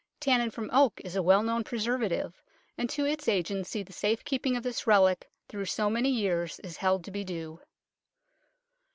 Tannin from oak is a well known preservative, and to its agency the safe keeping of this relic through so many years is held to be due.